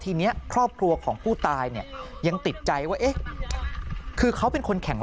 ทีนี้ครอบครัวของผู้ตายเนี่ยยังติดใจว่าเอ๊ะคือเขาเป็นคนแข่ง